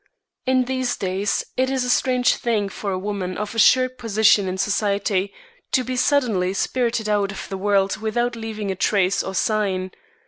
In these days, it is a strange thing for a woman of assured position in society to be suddenly spirited out of the world without leaving trace or sign.